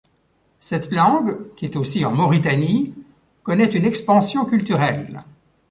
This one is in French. Cette langue, qui est aussi en Mauritanie, connaît une expansion culturelle.